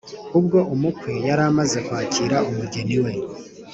Ubwo umukwe yari amaze kwakira umugeni we